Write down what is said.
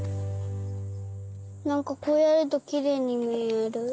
なんかこうやるときれいにみえる。